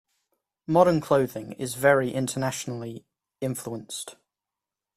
Modern clothing is very internationally influenced.